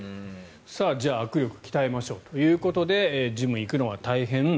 じゃあ握力を鍛えましょうということでジム行くのは大変。